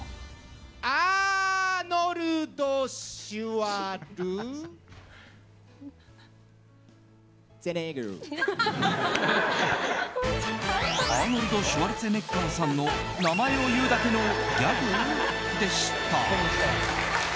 アーノルド・シュワルツェネッガーさんの名前を言うだけのギャグでした。